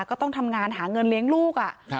ก็ต้องทำงานหาเงินเลี้ยงลูก